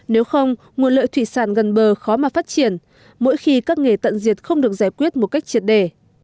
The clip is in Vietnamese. nếu không nguồn lợi thủy sản gần bờ khó mà phát triển mỗi khi các nghề tận diệt không được giải quyết một cách triệt đề